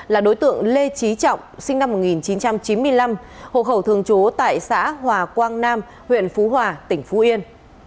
là đối tượng lê trí trọng sinh năm một nghìn chín trăm chín mươi năm hộ khẩu thường trú tại xã hòa quang nam huyện phú hòa tỉnh phú yên